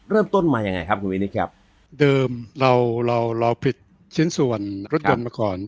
เริ่มต้นมายังไงครับคุณวินิตครับเดิมเราเราเราผิดชิ้นส่วนรถยนต์มาก่อน